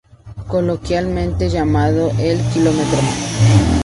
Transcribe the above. Coloquialmente llamada ""El Kilómetro"".